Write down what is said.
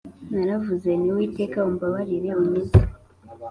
Naravuze nti Uwiteka umbabarire Unkize